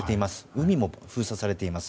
海も封鎖されています。